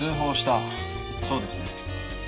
そうですね？